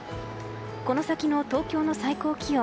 この先の東京の最高気温。